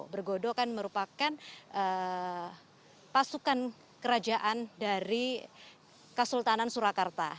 bergodo kan merupakan pasukan kerajaan dari kesultanan surakarta